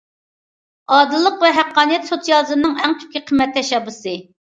ئادىللىق ۋە ھەققانىيەت سوتسىيالىزمنىڭ ئەڭ تۈپكى قىممەت تەشەببۇسى.